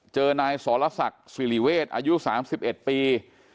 เจอนายสรศักดิ์สิริเวศอายุ๓๑ปี